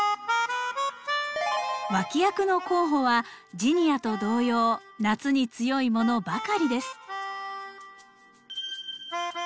脇役の候補はジニアと同様夏に強いものばかりです。